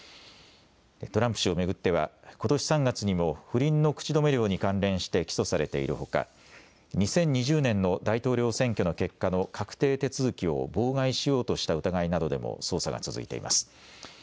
トランプ氏を巡っては、ことし３月にも、不倫の口止め料に関連して起訴されているほか、２０２０年の大統領選挙の結果の確定手続きを妨害しようとした疑いなどでも捜査が続いています。